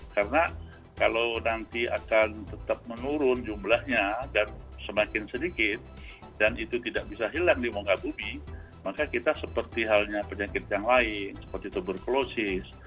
karena kalau nanti akan tetap menurun jumlahnya dan semakin sedikit dan itu tidak bisa hilang di mungkabubi maka kita seperti halnya penyakit yang lain seperti tuberkulosis